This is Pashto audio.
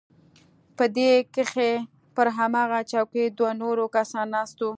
په دې کښې پر هماغه چوکۍ دوه نور کسان ناست وو.